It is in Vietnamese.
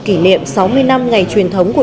kỷ niệm sáu mươi năm ngày truyền thống của